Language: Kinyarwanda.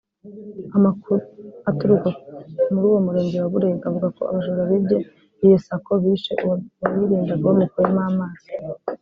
Amakuru aturuka muri uwo murenge wa Burega avuga ko abajura bibye iyo Sacco bishe uwayirindaga bamukuyemo amaso